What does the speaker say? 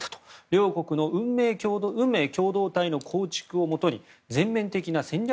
両国の運命共同体の構築をもとに全面的な戦略